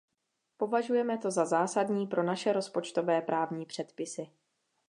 Považujeme to za zásadní pro naše rozpočtové právní předpisy.